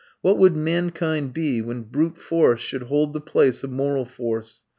What would mankind be when brute force should hold the place of moral force?